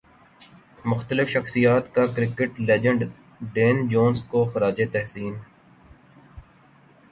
مختلف شخصیات کا کرکٹ لیجنڈ ڈین جونز کو خراج تحسین